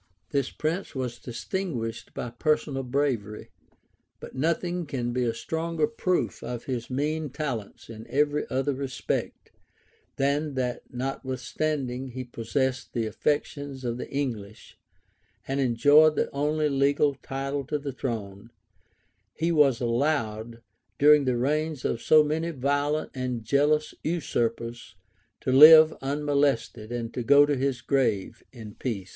This prince was distinguished by personal bravery; but nothing can be a stronger proof of his mean talents in every other respect, than that, notwithstanding he possessed the affections of the English, and enjoyed the only legal title to the throne, he was allowed, during the reigns of so many violent and jealous usurpers, to live unmolested, and go to his grave in peace.